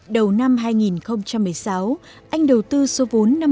đầu năm hai nghìn một mươi sáu anh đầu tư số vốn năm mươi